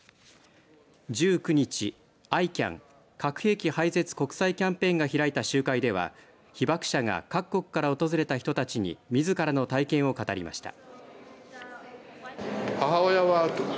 １９日、ＩＣＡＮ・核兵器廃絶国際キャンペーンが開いた集会では被爆者が各国から訪れた人たちにみずからの体験を語りました。